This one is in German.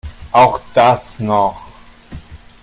Auch das noch!